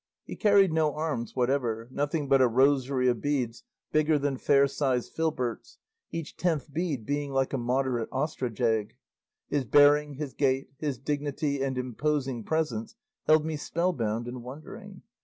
He carried no arms whatever, nothing but a rosary of beads bigger than fair sized filberts, each tenth bead being like a moderate ostrich egg; his bearing, his gait, his dignity and imposing presence held me spellbound and wondering.